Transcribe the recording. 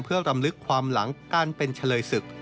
เพื่อรำลึกความหลังการเป็นเฉลยศึก